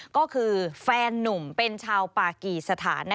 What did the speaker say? ก็คือแฟนนุ่มเป็นชาวปากีสถาน